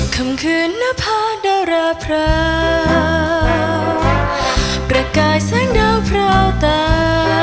คำคืนหน้าพาดาวราพราวประกายสังดาวพราวตา